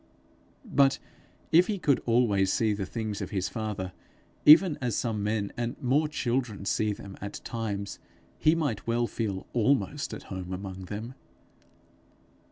But if he could always see the things of his father even as some men and more children see them at times, he might well feel almost at home among them.